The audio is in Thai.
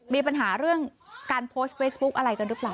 มีปัญหาเรื่องการโพสต์เฟซบุ๊กอะไรกันหรือเปล่า